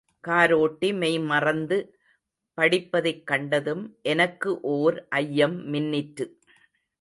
காரோட்டி மெய்மறந்து படிப்பதைக் கண்டதும், எனக்கு ஓர் ஐயம் மின்னிற்று.